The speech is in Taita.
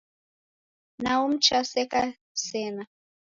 Nao mcha seka sena.